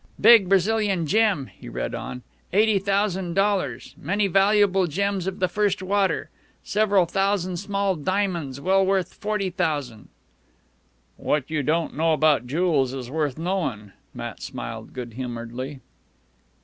"Big Brazilian gem," he read on. "Eighty thousan' dollars many valuable gems of the first water several thousan' small diamonds well worth forty thousan'." "What you don't know about jools is worth knowin'," Matt smiled good humoredly.